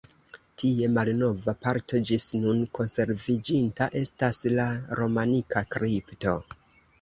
Tre malnova parto ĝis nun konserviĝinta estas la romanika kripto.